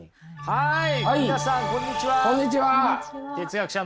はい。